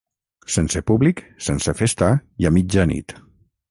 Sense públic, sense festa i a mitjanit.